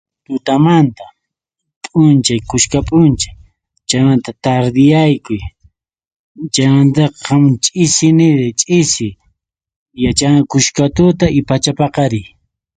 Tutamanta, p'unchay, kuska p'unchay, chaymanta tardiyaykuy, chaymantaqa hamun ch'isiniray ch'isi, kuska tuta y pachapaqariy